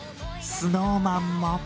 ＳｎｏｗＭａｎも。